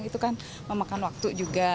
itu kan memakan waktu juga